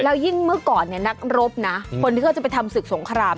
แล้วยิ่งเมื่อก่อนเนี่ยนักรบนะคนที่เขาจะไปทำศึกสงคราม